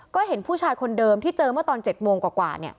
ก็เห็นผู้ชายคนเดิมที่เจอเมื่อตอน๗โมงกว่า